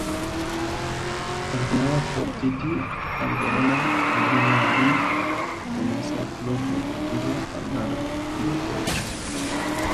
Entrenada por Titi Alberola y Lidia Marín, pertenece al Club Deportivo Algar de Elche.